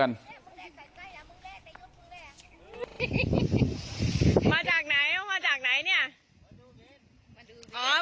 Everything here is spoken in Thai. มาจากไหนมาจากไหนเนี่ย